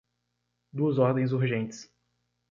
Duas ordens urgentes